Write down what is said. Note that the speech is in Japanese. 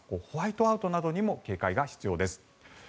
ホワイトアウトなどにも警戒が必要です。